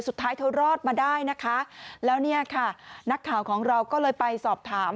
สุดท้ายเธอรอดมาได้นะคะแล้วเนี่ยค่ะนักข่าวของเราก็เลยไปสอบถาม